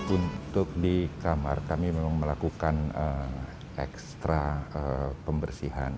untuk di kamar kami memang melakukan ekstra pembersihan